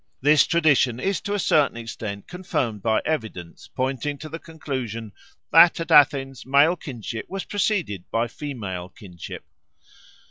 This tradition is to a certain extent confirmed by evidence, pointing to the conclusion that at Athens male kinship was preceded by female kinship.